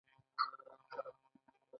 په کوم حالت کې ولسمشر غړی عزل کوي؟